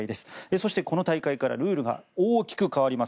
そしてこの大会からルールが大きく変わります。